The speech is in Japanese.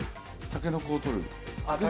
たけのこをとる。